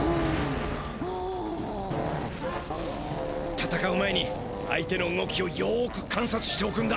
たたかう前に相手の動きをよくかんさつしておくんだ。